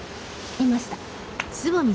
いました。